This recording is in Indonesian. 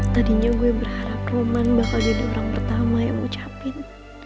tadinya gue berharap roman bakal jadi orang pertama yang mengucapkan